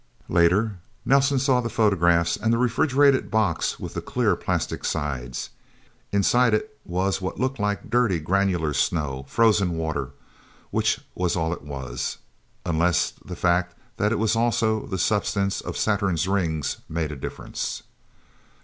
Later, Nelsen saw the photographs, and the refrigerated box with the clear, plastic sides. Inside it was what looked like dirty, granular snow frozen water. Which was all it was. Unless the fact that it was also the substance of Saturn's Rings made a difference.